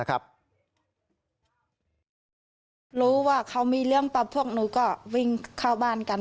รู้ว่าเขามีเรื่องปั๊บพวกหนูก็วิ่งเข้าบ้านกัน